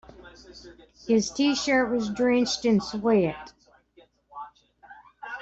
His t-shirt was drenched in sweat.